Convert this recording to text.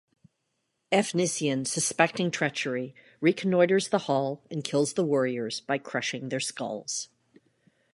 Efnisien, suspecting treachery, reconnoitres the hall and kills the warriors by crushing their skulls.